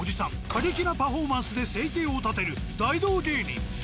過激なパフォーマンスで生計を立てる大道芸人。